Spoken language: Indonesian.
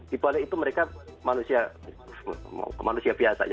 di balik itu mereka manusia biasa